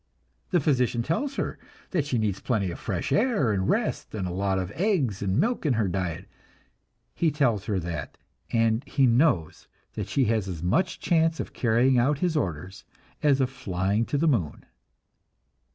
The physician tells her that she needs plenty of fresh air and rest, and a lot of eggs and milk in her diet. He tells her that, and he knows that she has as much chance of carrying out his orders as of flying to the moon.